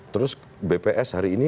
terus bps hari ini